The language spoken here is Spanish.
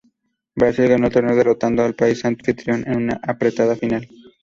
Brasil ganó el torneo derrotando al país anfitrión en una apretada final.